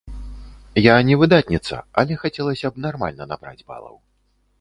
Я не выдатніца, але хацелася б нармальна набраць балаў.